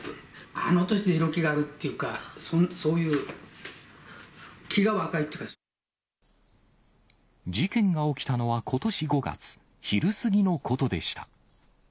あの年で色気があるっていうか、そういう、事件が起きたのはことし５月、昼過ぎのことでした。